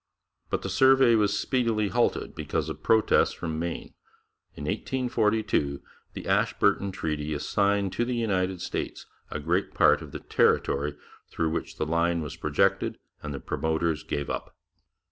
But the survey was speedily halted because of protests from Maine; in 1842 the Ashburton Treaty assigned to the United States a great part of the territory through which the line was projected, and the promoters gave up.